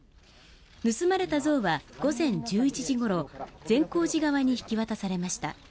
盗まれた像は午前１１時ごろ善光寺側に引き渡されました。